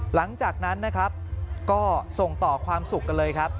หลังจากนั้นนะครับก็ส่งต่อความสุขกันเลยครับ